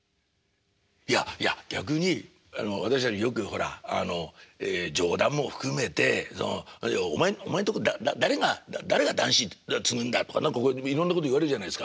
いやいや逆に私はよくほら冗談も含めて「お前んとこ誰が誰が談志継ぐんだ？」とかいろんなこと言われるじゃないですか。